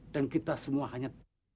dan kita semua hanya